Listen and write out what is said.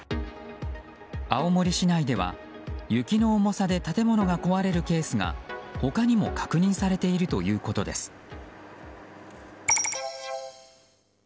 青森市内では雪の重さで建物が壊れるケースが他にも確認されているということです。